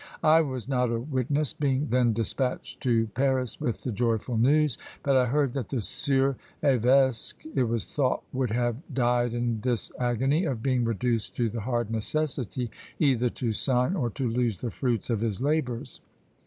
I was not a witness, being then despatched to Paris with the joyful news, but I heard that the sieur evesque it was thought would have died in this agony, of being reduced to the hard necessity either to sign, or to lose the fruits of his labours.